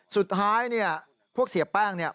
สุดท้ายเนี่ยพวกเสียแป้งเนี่ย